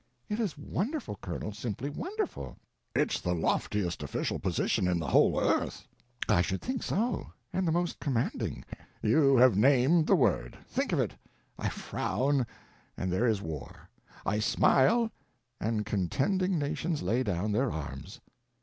"It is wonderful, Colonel, simply wonderful." "It's the loftiest official position in the whole earth." "I should think so—and the most commanding." "You have named the word. Think of it. I frown, and there is war; I smile, and contending nations lay down their arms."